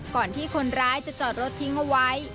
ก่อนที่คนร้ายจะจอดรถทิ้งเอาไว้